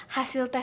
hasil tesnya benar